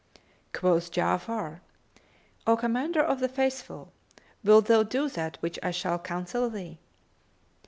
Quoth Ja'afar, "O Commander of the Faithful, wilt thou do that which I shall counsel thee?"